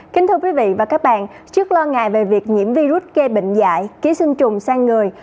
kính thưa quý vị và các bạn trước lo ngại về việc nhiễm virus gây bệnh dại ký sinh trùng sang người